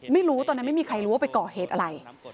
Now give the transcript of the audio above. ไม่รู้ตอนนั้นไม่มีใครรู้ว่าไปก่อเหตุอะไร